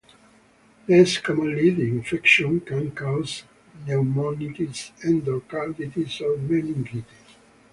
Less commonly the infection can cause pneumonitis, endocarditis or meningitis.